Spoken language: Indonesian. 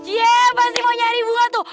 dia pasti mau nyari bunga tuh